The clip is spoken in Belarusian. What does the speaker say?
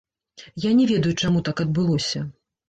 Я не ведаю, чаму так адбылося.